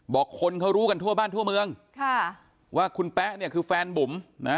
คนเขารู้กันทั่วบ้านทั่วเมืองค่ะว่าคุณแป๊ะเนี่ยคือแฟนบุ๋มนะ